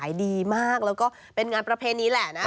ดีมากแล้วก็เป็นงานประเพณีแหละนะ